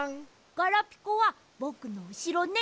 ガラピコはぼくのうしろね。